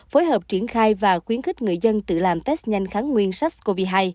phối hợp triển khai và khuyến khích người dân tự làm test nhanh kháng nguyên sars cov hai